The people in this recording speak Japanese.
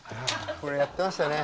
これやってましたね。